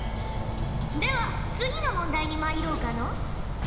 では次の問題にまいろうかのう。